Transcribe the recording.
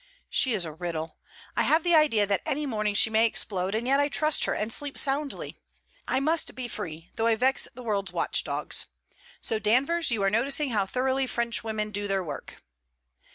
She is a riddle. I have the idea that any morning she may explode; and yet I trust her and sleep soundly. I must be free, though I vex the world's watchdogs. So, Danvers, you are noticing how thoroughly Frenchwomen do their work.'